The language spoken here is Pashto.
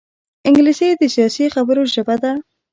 انګلیسي د سیاسي خبرو ژبه ده